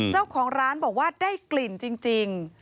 เจ้าของร้านบอกว่าได้กลิ่นจริง